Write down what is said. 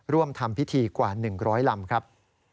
ร่วมทำพิธีกว่า๑๐๐ลำครับ